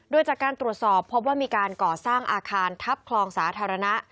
โดยจากการตรวจสอบพบว่ามีการก่อสร้างอาคารทับคลองสาธารณะ